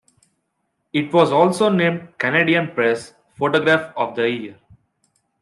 It was also named "Canadian Press" photograph of the year.